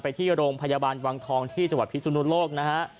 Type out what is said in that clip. ที่โรงพยาบาลวังทองที่จังหวัดพิสุนุโลกนะฮะ